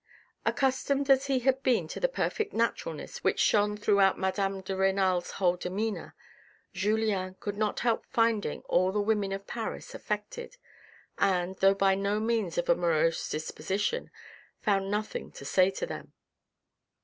Accustomed as he had been to the perfect naturalness which shone throughout madame de Renal's whole demeanour, Julien could not help finding all the women of Paris affected, and, though by no means of a morose disposition, found nothing to say to them.